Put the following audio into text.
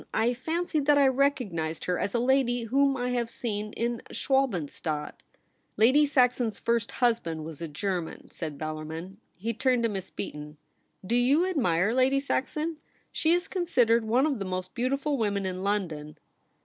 I fancied that I recognised her as a lady whom I have seen in Schwalbenstadt.' ' Lady Saxon's first husband was a German,' said Bellarmin. He turned to Miss Beaton. ' Do you admire Lady Saxon ? She is con sidered one of the most beautiful women in London.'